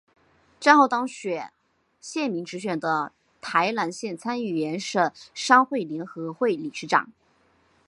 战后当选县民直选的台南县参议员省商会联合会理事长。